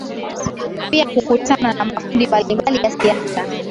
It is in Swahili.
pia kukutana na makundi mbalimbali ya siasa